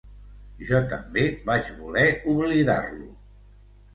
Jo també vaig voler oblidar-lo.